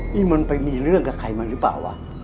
นี่มันไปมีเรื่องกับใครมาหรือเปล่าวะ